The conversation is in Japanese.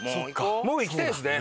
もう行きたいですね。